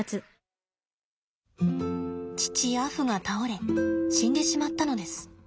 父アフが倒れ死んでしまったのです。